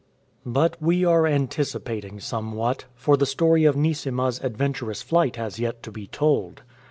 "" But we are anticipating somewhat, for the story of Neesima''s adventurous flight has yet to be told.